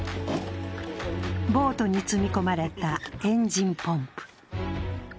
ボートに積み込まれたエンジンポンプ。